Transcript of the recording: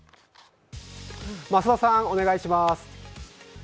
増田さん、お願いします。